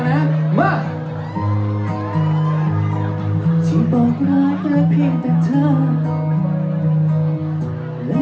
และวันนี้ขอบคุณทุกคนที่มานะ